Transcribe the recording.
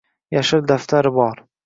Yashil daftari bor